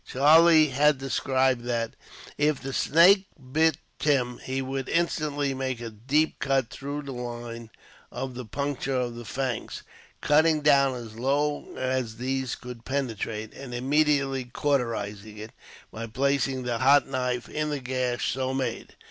Charlie had decided that, if the snake bit Tim, he would instantly make a deep cut through the line of the puncture of the fangs, cutting down as low as these could penetrate, and immediately cauterize it, by placing the hot knife in the gash so made.